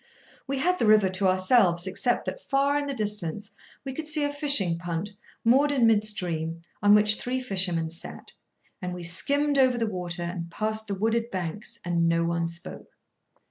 We had the river to ourselves, except that, far in the distance, we could see a fishing punt, moored in mid stream, on which three fishermen sat; and we skimmed over the water, and passed the wooded banks, and no one spoke.